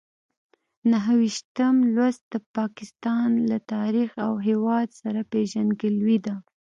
نهه ویشتم لوست د پاکستان له تاریخ او هېواد سره پېژندګلوي ده.